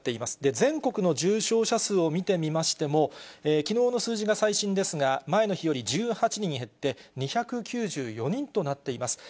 全国の重症者数を見てみましても、きのうの数字が最新ですが、前の日より１８人減って、２９４人となっています。